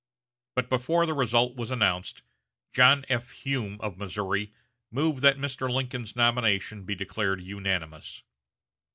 But before the result was announced, John F. Hume of Missouri moved that Mr. Lincoln's nomination be declared unanimous.